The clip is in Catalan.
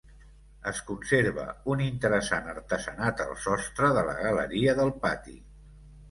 Es conserva un interessant artesanat al sostre de la galeria del pati.